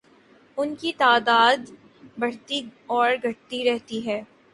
ان کی تعداد بڑھتی اور گھٹتی رہتی ہے